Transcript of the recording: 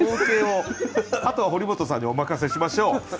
あとは堀本さんにお任せしましょう。